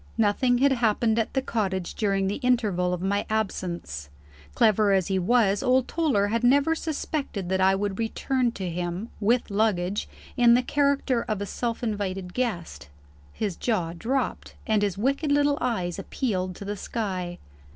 Nothing had happened at the cottage, during the interval of my absence. Clever as he was, old Toller had never suspected that I should return to him (with luggage!) in the character of a self invited guest. His jaw dropped, and his wicked little eyes appealed to the sky.